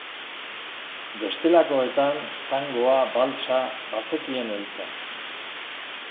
Bestelakoetan, tangoa, baltsa, bazekien heltzen.